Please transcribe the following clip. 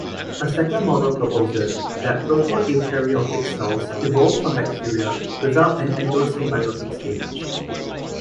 A second model proposes that proto-eukaryotic cells evolved from bacteria without an endosymbiotic stage.